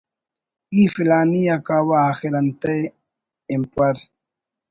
ای فلانی آ کاوہ آخر انتئے ہنپر